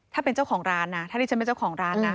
ถ้าเป็นเจ้าของร้านนะถ้าที่ฉันเป็นเจ้าของร้านนะ